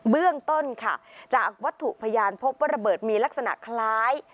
เบื้องต้นค่ะจากวัตถุพยานพบว่าระเบิดมีลักษณะคล้าย